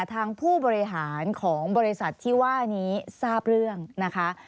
ทางผู้บริหารของบริษัทที่ว่านี้ทราบเรื่องนะคะ